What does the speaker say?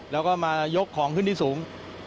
แล้วก็มายกของขึ้นที่สูง